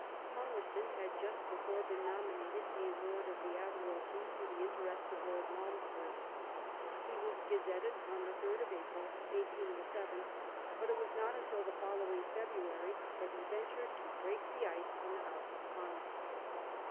Palmerston had just before been nominated a Lord of the Admiralty through the interest of Lord Malmes bury. He was gazetted on the 3rd of April 1807, but it was not until the following February that he ventured to break the ice in the House of Commons.